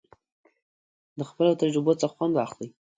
د خپلو تجربو څخه خوند واخلئ.